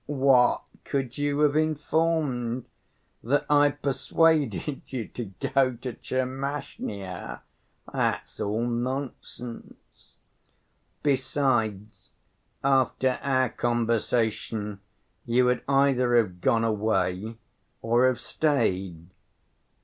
"What could you have informed? That I persuaded you to go to Tchermashnya? That's all nonsense. Besides, after our conversation you would either have gone away or have stayed.